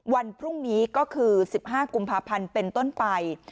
วันพรุ่งนี้ก็คือ๑๕กุมภาพันธ์เป็นต้นไป